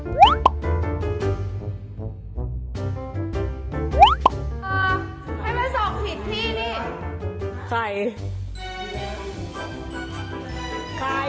ไม่ได้ขายรึเปล่าเห็นก็ใช่เว้ยมีกินไก่